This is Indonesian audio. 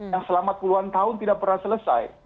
yang selama puluhan tahun tidak pernah selesai